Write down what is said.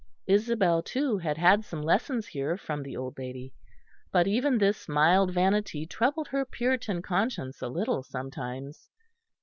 Isabel, too, had had some lessons here from the old lady; but even this mild vanity troubled her puritan conscience a little sometimes.